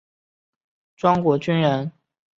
庄国钧人。